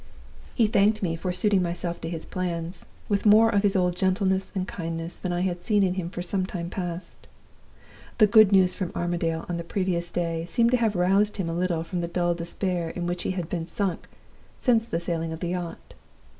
"He thanked me for suiting myself to his plans, with more of his old gentleness and kindness than I had seen in him for some time past. The good news from Armadale on the previous day seemed to have roused him a little from the dull despair in which he had been sunk since the sailing of the yacht.